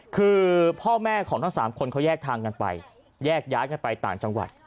คือพ่อแม่ของทั้งสามคนเขาแยกทางกันไปแยกย้ายกันไปต่างจังหวัด